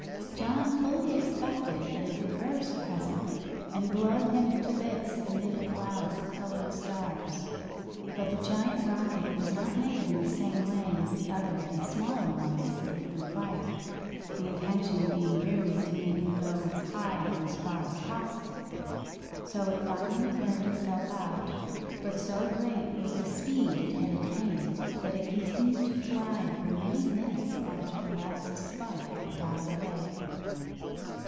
John fully expected that it would burst presently, and blow him to bits amid a cloud of colored stars. But the giant rocket was not made in the same way as the other and smaller ones that had been fired, the intention being merely to make it go as high and as far as possible. So it finally burned itself out; but so great was the speed it had attained that it continued to fly for many minutes after the last spark had died away.